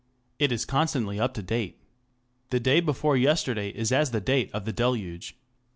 It is constantly up to date. The day before yesterday is as the date of the deluge.